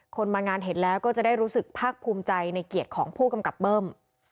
คนมางานเห็นแล้วก็จะได้รู้สึกภาคภูมิใจในเกียรติของผู้กำกับเบิ้ม